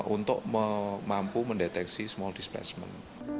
untuk mampu mendeteksi small displacement